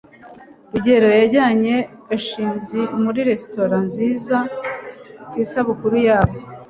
rugeyo yajyanye gashinzi muri resitora nziza ku isabukuru yabo